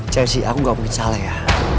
chelsea aku nggak mungkin salah ya